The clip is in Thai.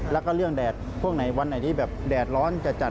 แล้วก็เรื่องแดดพวกไหนวันไหนที่แบบแดดร้อนจะจัด